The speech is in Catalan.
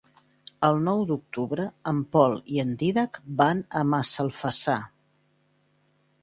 El nou d'octubre en Pol i en Dídac van a Massalfassar.